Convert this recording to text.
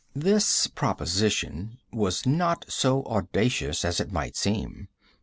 This proposition was not so audacious as it might seem.